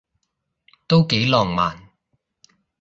都幾浪漫